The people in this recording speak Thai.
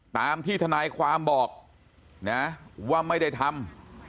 ตามที่ทนายความบอกนะว่าไม่ได้ทำ